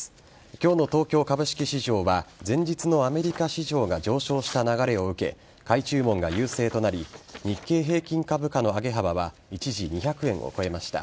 今日の東京株式市場は前月のアメリカ市場が上昇した流れを受け買い注文が優勢となり日経平均株価の上げ幅は一時２００円を超えました。